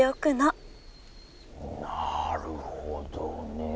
なるほどね。